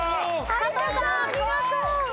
佐藤さん。